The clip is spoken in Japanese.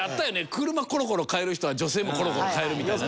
車コロコロかえる人は女性もコロコロかえるみたいなね。